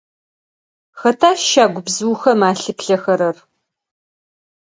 Хэта щагубзыухэм алъыплъэхэрэр?